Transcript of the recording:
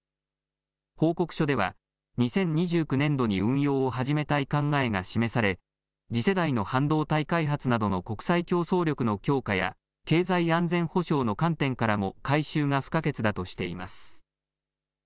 報告書では、２０２９年度に運用を始めたい考えが示され、次世代の半導体開発などの国際競争力の強化や、経済安全保障の観点からも、改修が不可欠だとしています。